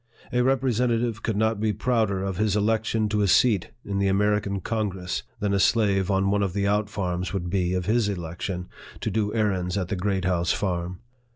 A representative could not be prouder of his election to a seat in the American Congress, than a slave on one of the out farms would be of his election to do errands at the Great House Farm.